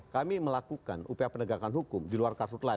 kami melakukan upaya penegakan hukum di luar kartu lain